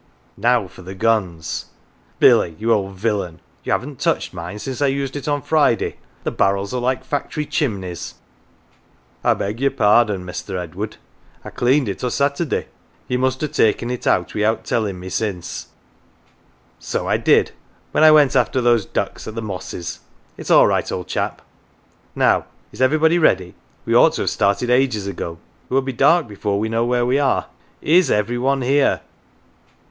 Now for the guns ! "Billy, you old villain, you haven't touched mine since I used it on Friday ! The barrels are like factory chimneys." " I beg your pardon, Mester Edward. I cleaned it o" 1 Saturday. Ye must ha 1 taken it out wi'out tellin" 1 me since. 1 "" So I did when I went after those ducks at the Mosses. It's all right, old chap." " Now, is everybody ready ? We ought to have started ages ago. It will be dark before we know where we are. Is every one here